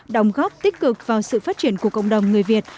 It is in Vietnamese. đồng góp tích cực vào sự phát triển của cộng đồng người việt